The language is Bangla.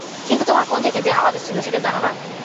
কিন্তু তোমার ফোন থেকে যে আওয়াজ আসছিল সেটা জানো না?